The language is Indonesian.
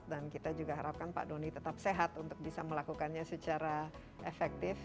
dan kita juga harapkan pak doni tetap sehat untuk bisa melakukannya secara efektif